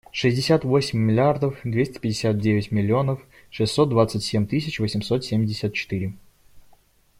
Шестьдесят восемь миллиардов двести пятьдесят девять миллионов шестьсот двадцать семь тысяч восемьсот семьдесят четыре.